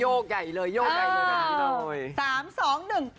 โย่ไก่เลยโย่ไก่เลยนะ